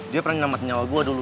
dia pernah nyemasa nyawa gue dulu